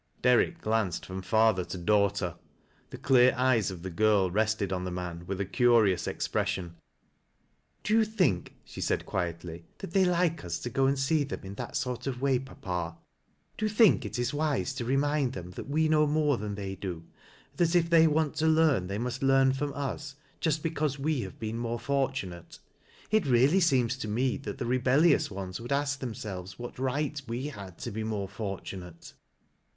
Derrick glanced from father to daughter. The clear I yes of the girl rested on the man with a curious expres Hon. " Do you think," she said quickly, " that they like us to go and see them in that sort of way, papa? Do you think it is wise to remind them that we know more than they do, and' that if they want to learn they must learn from us, just because we have been more fortunate ? It really seems to me that the rebellious ones would ask them selves what right we had to be more fortunate."